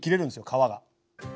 皮が。